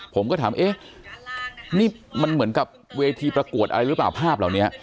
ผมก็ถามเอ๊ะนี่มันเหมือนกับเวทีประกวดอะไรหรือเปล่าภาพเหล่านี้